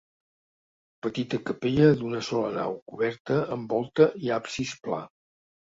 Petita capella d'una sola nau coberta amb volta i absis pla.